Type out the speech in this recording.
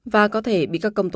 và có thể bị các công tố